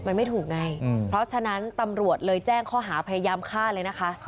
มันไม่ถูกไงเพราะฉะนั้นตำรวจเลยแจ้งข้อหาพยายามฆ่าเลยนะคะ